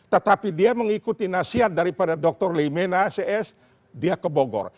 tetapi dia mengikuti nasihat daripada dr leimena cs dia ke bogor